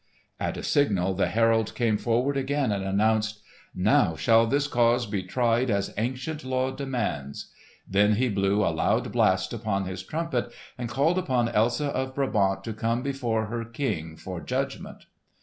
At a signal, the herald came forward again and announced, "Now shall this cause be tried as ancient law demands!" Then he blew a loud blast upon his trumpet and called upon Elsa of Brabant to come before her King for judgment.